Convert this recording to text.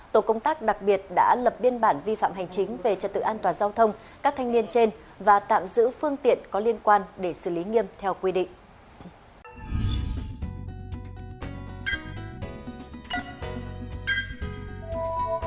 tổ công tác đặc biệt đã lập biên bản vi phạm hành chính về trật tự an toàn giao thông các thanh niên trên và tạm giữ phương tiện có liên quan để xử lý nghiêm theo quy định